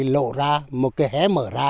lộ ra một cái hé mở ra